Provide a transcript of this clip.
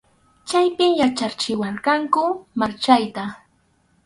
Chaypi yachachiwarqanku marchayta.